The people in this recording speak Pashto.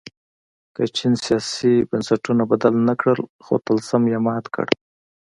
که چین سیاسي بنسټونه بدل نه کړل خو طلسم یې مات کړ.